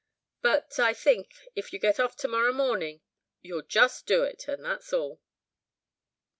But I think, if you get off to morrow morning, you'll just do it, and that's all."